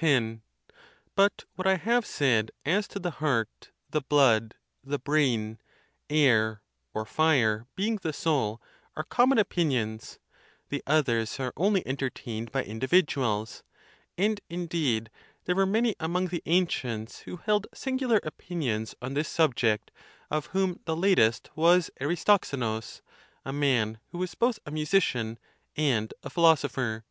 X. But what I have said as to the heart, the blood, the brain, air, or fire being the soul, are common opinions: the others are only entertained by individuals; and, indeed, there were many among the ancients who held singular opinions on this subject, of whom the latest was Aristoxe nus, 2 man who was both a musician and a philosopher.